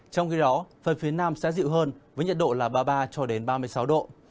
trong khi đó phần phía nam sẽ dịu hơn với nhật độ là ba mươi ba ba mươi sáu độ